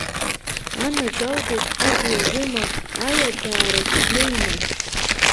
Анаџьалбеит, ҳажәла ажәыма, аиаӡаарахь ҳнеима?